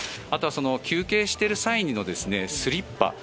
あとは休憩している際のスリッパ